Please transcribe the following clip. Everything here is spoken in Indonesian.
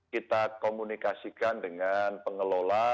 kita komunikasikan dengan pengelola